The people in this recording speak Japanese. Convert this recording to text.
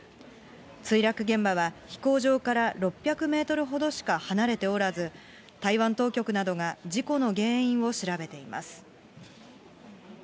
墜落現場は飛行場から６００メートルほどしか離れておらず、台湾当局などが事故の原因を調べています。